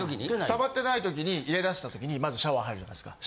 たまってない時に入れ出した時にまずシャワー入るじゃないですか。